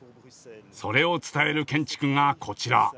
それを伝える建築がこちら。